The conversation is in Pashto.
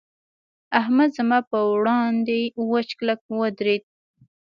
احمد زما پر وړاند وچ کلک ودرېد.